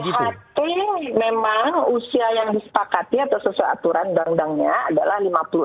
ht memang usia yang disepakati atau sesuai aturan undang undangnya adalah lima puluh enam